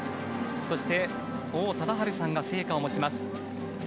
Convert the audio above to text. そして王貞治さんが聖火を持ちます。